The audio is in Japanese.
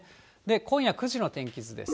今夜９時の天気図です。